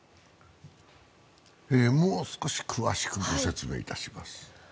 もう少し詳しく説明いたします。